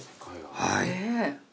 はい。